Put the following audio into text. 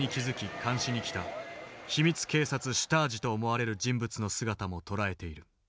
警察シュタージと思われる人物の姿も捉えている。